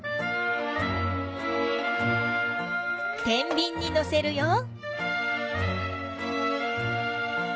てんびんにのせるよ。